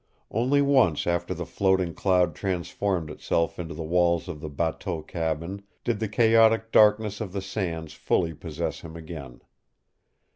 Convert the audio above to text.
Only once after the floating cloud transformed itself into the walls of the bateau cabin did the chaotic darkness of the sands fully possess him again.